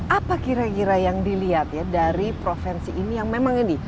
apa kira kira yang dilihat ya dari provinsi ini yang memang ini